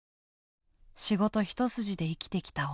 仕事一筋で生きてきた夫。